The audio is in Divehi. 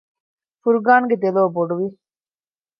ފުރުޤާންގެ ދެލޯ ބޮޑުވި